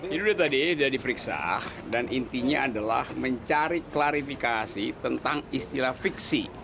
ini udah tadi sudah diperiksa dan intinya adalah mencari klarifikasi tentang istilah fiksi